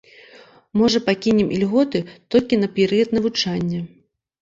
Можа, пакінем ільготы толькі на перыяд навучання.